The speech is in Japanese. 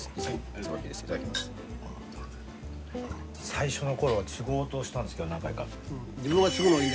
最初のころはつごうとしたんですけど何回か。